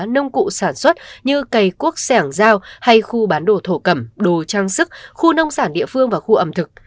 nông cụ sản xuất như cây cuốc xẻng dao hay khu bán đồ thổ cầm đồ trang sức khu nông sản địa phương và khu ẩm thực